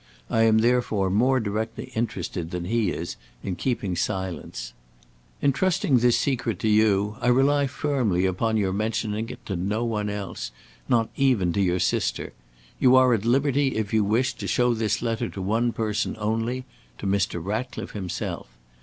I am therefore more directly interested than he is in keeping silence. "In trusting this secret to you, I rely firmly upon your mentioning it to no one else not even to your sister. You are at liberty, if you wish, to show this letter to one person only to Mr. Ratcliffe himself.